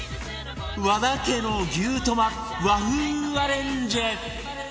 和田家の牛トマ和風アレンジ